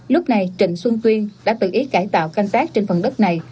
lúc này trịnh xuân tuyên đã tự ý cải tạo canh tác trên phần đất này